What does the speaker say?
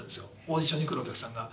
オーディションに来るお客さんが。